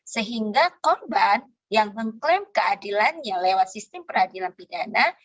sehingga korban yang mengklaim keadilannya lewat sistem peradilan pidana